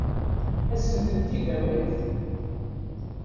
Ad asent-tent-id-tawimt?